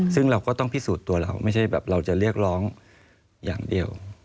ซึ่งเราก็ต้องพิสูจน์ตัวเราไม่ใช่แบบเราจะเรียกร้องอย่างเดียว